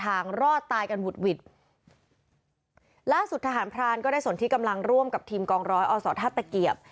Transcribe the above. รอดตายกันหุดหวิดล่าสุดทหารพรานก็ได้ส่วนที่กำลังร่วมกับทีมกองร้อยอศท่าตะเกียบ